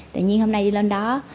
tự nhiên hôm nay đi lên đó